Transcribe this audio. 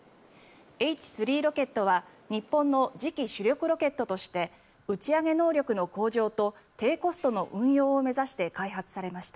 Ｈ３ロケットは日本の次期主力ロケットとして打ち上げ能力の向上と低コストの運用を目指して開発されました。